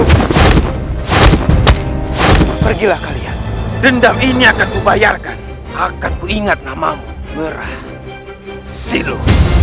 aku harap keputusan tuhan untuk mengampuni mereka tidak akan menjadi masalah di kemudian harinya